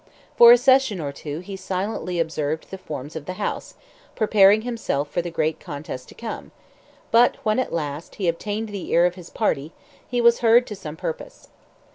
For a session or two he silently observed the forms of the House, preparing himself for the great contest to come; but when at last he obtained the ear of his party he was heard to some purpose.